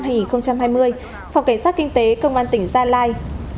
phòng cảnh sát kinh tế công an tỉnh gia lai